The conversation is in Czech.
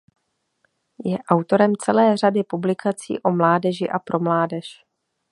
Je autorem celé řady publikací o mládeží a pro mládež.